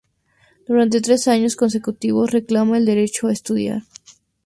Durante tres años consecutivos reclama el derecho a estudiar.